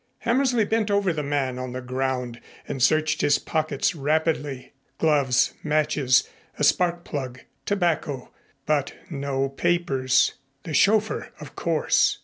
Hammersley bent over the man on the ground and searched his pockets rapidly. Gloves, matches, a spark plug, tobacco, but no papers. The chauffeur, of course.